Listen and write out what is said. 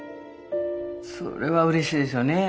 それはうれしいですよね。